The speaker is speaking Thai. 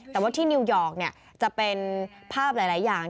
แต่ว่าที่นิวยอร์กจะเป็นภาพหลายอย่าง